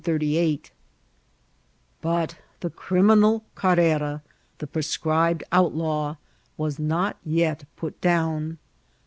Oaitalia" But the <^ criminal" Carrera, the proscribed outlaw, was not yet put down.